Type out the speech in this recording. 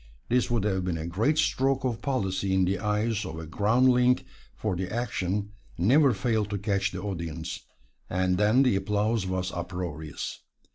This would have been a great stroke of policy in the eyes of a groundling, for the action never failed to catch the audience, and then the applause was uproarious.